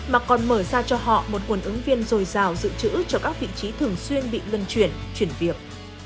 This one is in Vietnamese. mà còn mở ra cho họ một nguồn ứng viên dồi dào dự trữ cho các vị trí thường xuyên bị lân chuyển chuyển việc